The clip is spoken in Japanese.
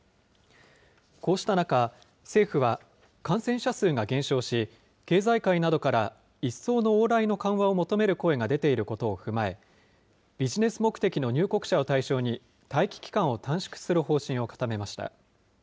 こうした中、政府は感染者数が減少し、経済界などから一層の往来の緩和を求める声が出ていることを踏まえ、ビジネス目的の入国者を対象に、待機期間を短縮する方針を固めました。